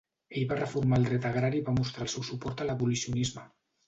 Ell va reformar el dret agrari i va mostrar el seu suport a l'abolicionisme.